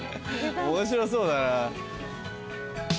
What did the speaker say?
面白そうだな。